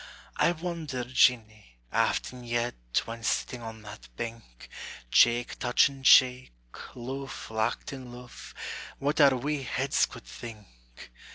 I wonder, Jeanie, aften yet, When sitting on that bink, Cheek touchin' cheek, loof locked in loof, What our wee heads could think.